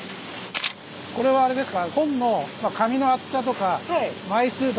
これはあれですか？